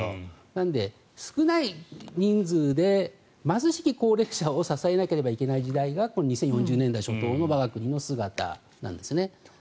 なので、少ない人数で貧しい高齢者を支えなきゃいけないのが２０４０年代初頭の我が国の姿なんですね。